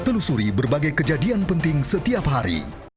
telusuri berbagai kejadian penting setiap hari